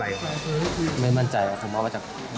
แล้วเราไปไหนครับตอนนั้นจะไปไหนครับ